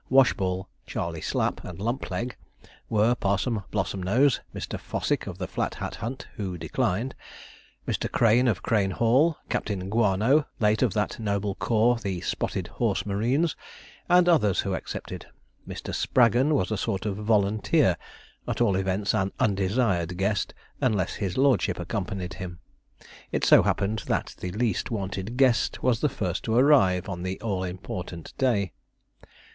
Washball, Charley Slapp, and Lumpleg, were Parson Blossomnose; Mr. Fossick of the Flat Hat Hunt, who declined Mr. Crane of Crane Hall; Captain Guano, late of that noble corps the Spotted Horse Marines; and others who accepted. Mr. Spraggon was a sort of volunteer, at all events an undesired guest, unless his lordship accompanied him. It so happened that the least wanted guest was the first to arrive on the all important day.